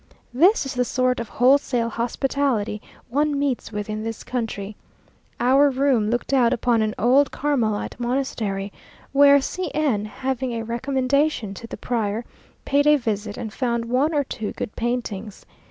This is the sort of wholesale hospitality one meets with in this country. Our room looked out upon an old Carmelite monastery, where C n, having a recommendation to the prior, paid a visit, and found one or two good paintings.